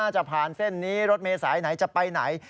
จะผ่านเส้นนี้รถเมษายไหนจะไปไหน